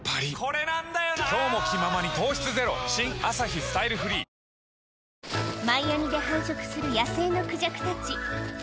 彼は、マイアミで繁殖する野生のクジャクたち。